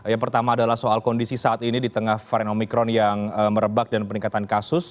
yang pertama adalah soal kondisi saat ini di tengah varian omikron yang merebak dan peningkatan kasus